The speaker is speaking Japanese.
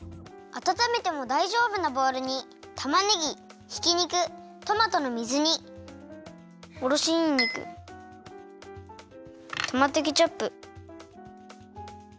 あたためてもだいじょうぶなボウルにたまねぎひき肉トマトの水煮おろしにんにくトマトケチャップ。